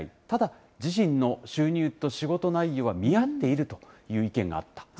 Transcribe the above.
ただ、自身の収入と仕事内容は見合っているという意見があった。